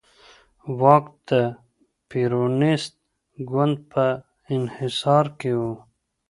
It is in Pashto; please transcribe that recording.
واک د پېرونېست ګوند په انحصار کې و.